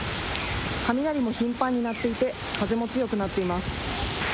雷も頻繁に鳴っていて風も強くなっています。